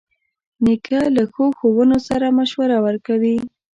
نیکه له ښو ښوونو سره مشوره ورکوي.